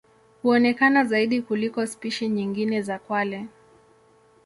Huonekana zaidi kuliko spishi nyingine za kwale.